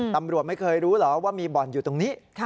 ตำรวจไม่เคยรู้เหรอว่ามีบ่อนอยู่ตรงนี้